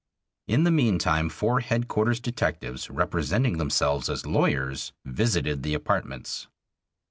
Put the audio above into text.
In the meantime four Headquarters' detectives, representing themselves as lawyers, visited the apartments.